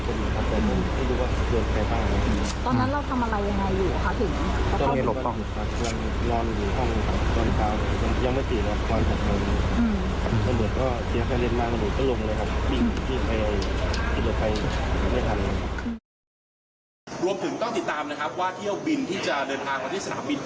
ถ้าเหมือนก็เดี๋ยวใครเรียนมามันหลุดก็ลงเลยครับ